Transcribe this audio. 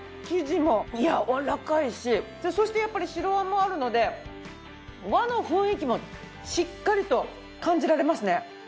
生地もやわらかいしそしてやっぱり白餡もあるので和の雰囲気もしっかりと感じられますね。